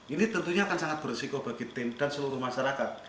ini tentunya akan sangat berisiko bagi tim dan seluruh masyarakat